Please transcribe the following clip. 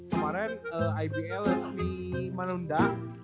kemarin ibl di manelunda